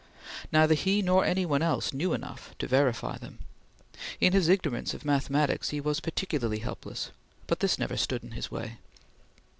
Neither he nor any one else knew enough to verify them; in his ignorance of mathematics, he was particularly helpless; but this never stood in his way.